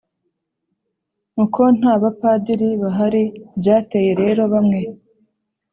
uko nta bapadiri bahari.byateye rero bamwe